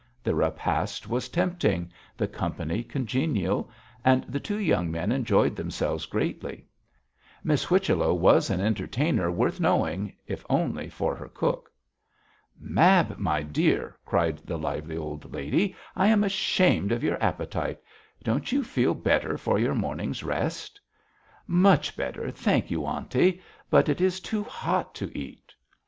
The repast was tempting, the company congenial, and the two young men enjoyed themselves greatly. Miss Whichello was an entertainer worth knowing, if only for her cook. 'Mab, my dear,' cried the lively old lady, 'I am ashamed of your appetite. Don't you feel better for your morning's rest?' 'Much better, thank you, aunty, but it is too hot to eat.'